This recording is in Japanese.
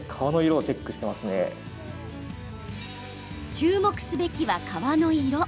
注目すべきは皮の色。